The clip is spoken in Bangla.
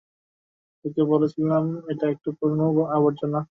তোকে বলেছিলাম এটা একটা পুরানো, আবর্জনা।